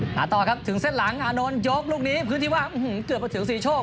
ต่อครับถึงเส้นหลังอานนท์ยกลูกนี้พื้นที่ว่าเกือบมาถึงศรีโชค